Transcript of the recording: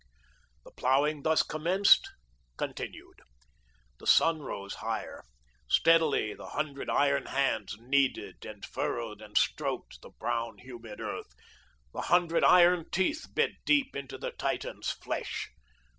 The ploughing thus commenced, continued. The sun rose higher. Steadily the hundred iron hands kneaded and furrowed and stroked the brown, humid earth, the hundred iron teeth bit deep into the Titan's flesh.